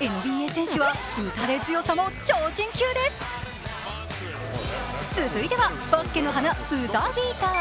ＮＢＡ選手は打たれ強さも超人級です続いてはバスケの華、ブザービーター。